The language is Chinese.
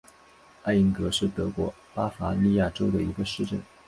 艾因格是德国巴伐利亚州的一个市镇。